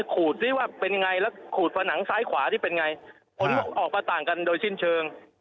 ขูดซิว่าเป็นยังไงแล้วขูดผนังซ้ายขวานี่เป็นไงผลออกมาต่างกันโดยสิ้นเชิง